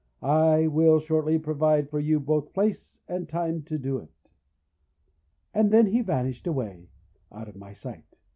I will shortly provide for you both place and time to do it;' and then he vanished away out of my sight.